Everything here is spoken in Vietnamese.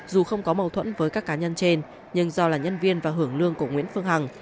dù không có mâu thuẫn với các cá nhân trên nhưng do là nhân viên và hưởng lương của nguyễn phương hằng